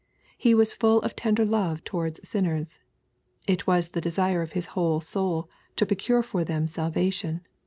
He was full of tender love towards sinners. It was the desire of His whole soul to procure for them salvation.